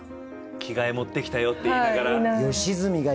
「着替え持ってきたよ」って言いながら？